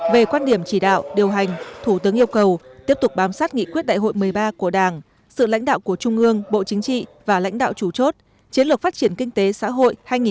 về quan điểm chỉ đạo điều hành thủ tướng yêu cầu tiếp tục bám sát nghị quyết đại hội một mươi ba của đảng sự lãnh đạo của trung ương bộ chính trị và lãnh đạo chủ chốt chiến lược phát triển kinh tế xã hội hai nghìn một mươi một hai nghìn ba mươi